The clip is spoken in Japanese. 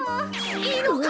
いいのか？